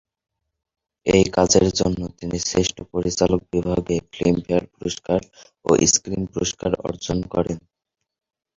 এই কাজের জন্য তিনি শ্রেষ্ঠ পরিচালক বিভাগে ফিল্মফেয়ার পুরস্কার ও স্ক্রিন পুরস্কার অর্জন করেন।